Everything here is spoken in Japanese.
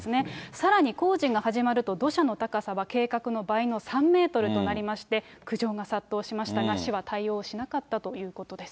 さらに工事が始まると、土砂の高さは計画の倍の３メートルとなりまして、苦情が殺到しましたが、市は対応しなかったということです。